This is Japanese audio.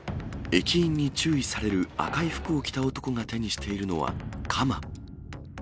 駅員に注意される赤い服を着た男が手にしているのは鎌。